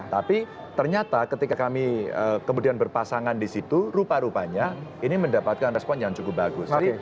tapi ternyata ketika kami kemudian berpasangan di situ rupa rupanya ini mendapatkan respon yang cukup bagus